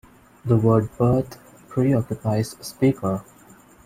The word 'birth' preoccupies Speaker.